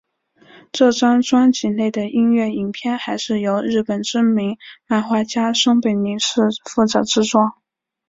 这张专辑内的音乐影片还是由日本知名漫画家松本零士负责制作。